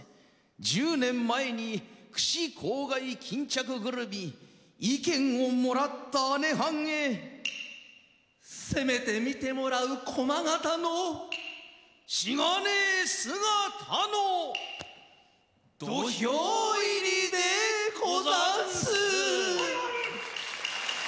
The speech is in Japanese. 十年前に櫛、笄、巾着ぐるみ、意見を貰った姐はんへ、せめて見て貰う駒形のしがねぇ姿の土俵入りでござんす。